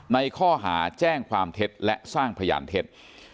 ในข้อหาแจ้งความเท็จและสร้างพยานเท็จ